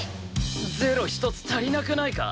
ゼロ１つ足りなくないか？